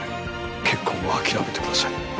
結婚は諦めてください。